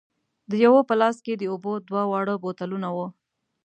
د یوه په لاس کې د اوبو دوه واړه بوتلونه وو.